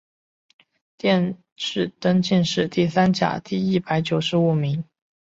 殿试登进士第三甲第一百九十五名。